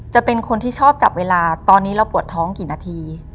จะเป็นคนที่ชอบจับเวลาตอนนี้เราปวดท้องกี่นาที